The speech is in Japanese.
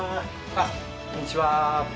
あっこんにちは。